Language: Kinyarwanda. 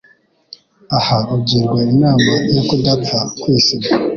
Aha ugirwa inama yo kudapfa kwisiga